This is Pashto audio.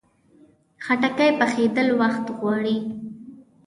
خټکی پخېدل وخت غواړي.